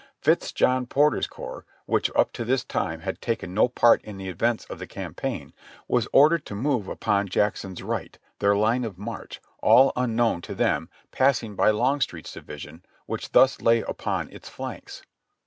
Fitz John Porter's corps, which up to this time had taken no part in the events of the campaign, was ordered to move upon Jackson's right, their line of march, all unknown to 236 JOHNNY RKB and BILLY YANK tliem, passing by Longstreet's division, which thus lay upon its flanks.